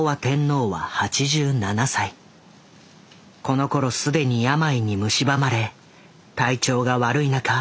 このころ既に病にむしばまれ体調が悪い中公務に臨んでいた。